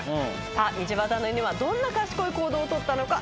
さあ道端の犬はどんな賢い行動を取ったのか？